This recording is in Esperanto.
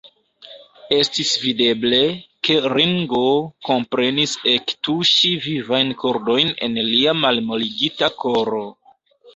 Estis videble, ke Ringo komprenis ektuŝi vivajn kordojn en lia malmoligita koro.